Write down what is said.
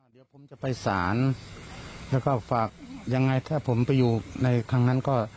เดี๋ยวผมจะไปสารแล้วก็ฝากยังไงถ้าผมไปอยู่ในครั้งนั้นก็